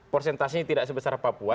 persentasenya tidak sebesar papua